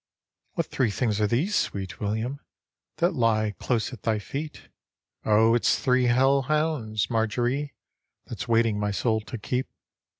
" What three things arc these, sweet William, That lie close at thy feet? "" O it's three hell hounds, Marjorie, That's waiting my soul to keep."